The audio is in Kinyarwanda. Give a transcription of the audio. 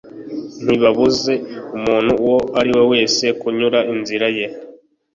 Ntibabuze umuntu uwo ari we wese kunyura inzira ye